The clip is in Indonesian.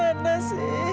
kalian dimana sih testing